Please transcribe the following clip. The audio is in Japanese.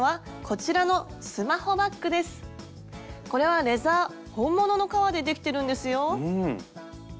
これはレザー本物の革でできてるんですよ。